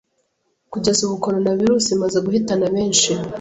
Kugeza ubu coronavirus imaze guhitana benshi